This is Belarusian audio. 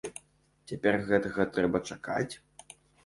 Цяпер гэтага трэба чакаць?